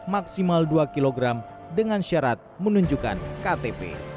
maksimal dua kg dengan syarat menunjukkan ktp